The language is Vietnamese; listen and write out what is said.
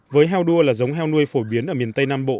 với heo đua là giống heo nuôi phổ biến ở miền tây nam bộ